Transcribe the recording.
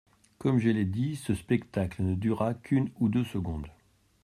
Comme je l'ai dit, ce spectacle ne dura qu'une ou deux secondes.